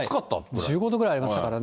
１５度ぐらいありましたからね。